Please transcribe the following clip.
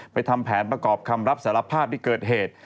ทำแผนประกอบคำรับสารภาพที่เกิดเหตุ